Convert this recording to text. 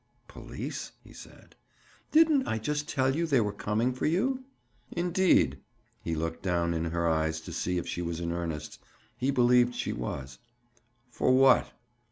"Police?" he said. "Didn't I just tell you they were coming for you?" "Indeed?" He looked down in her eyes to see if she was in earnest. He believed she was. "For what?"